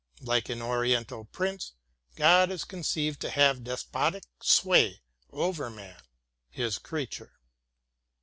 Like an Oriental prince, God is conceived to have despotic sway over man, his creature.